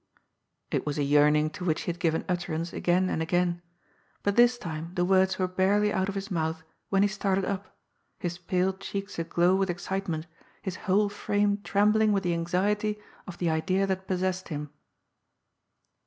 It was a yearning to which he had given utterance again and again, but this time the words were barely out of his mouth when he started up, his pale cheeks aglow with excitement, his whole frame trembling with the anxiety of the idea that possessed him.